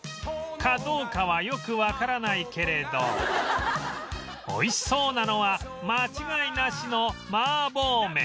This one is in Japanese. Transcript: かどうかはよくわからないけれど美味しそうなのは間違いなしの麻婆麺